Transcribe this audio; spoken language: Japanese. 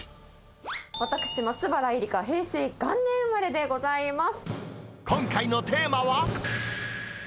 私、松原江里佳、平成元年生まれでございます。